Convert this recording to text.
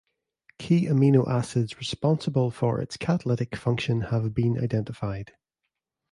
Key amino acids responsible for its catalytic function have been identified.